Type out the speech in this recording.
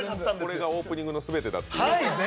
これがオープニングのすべてだっていう。